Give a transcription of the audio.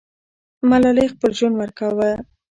ملالۍ خپل ژوند ورکاوه.